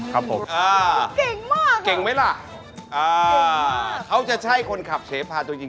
มันจะต้องเป็นภาษาอิตาเลียน